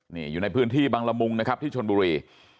นี่อยู่ในพื้นที่บังละมุงนะครับที่ชนบุรี